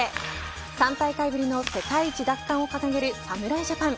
３大会ぶりの世界一奪還を掲げる侍ジャパン。